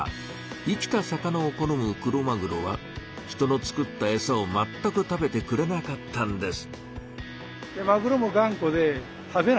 生きた魚を好むクロマグロは人の作ったエサをまったく食べてくれなかったんです。